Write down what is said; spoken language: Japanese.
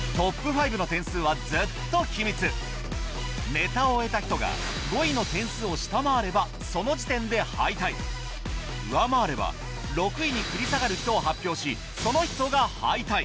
ネタを終えた人が５位の点数を下回ればその時点で敗退上回れば６位に繰り下がる人を発表しその人が敗退